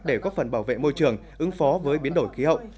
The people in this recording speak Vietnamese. để góp phần bảo vệ môi trường ứng phó với biến đổi khí hậu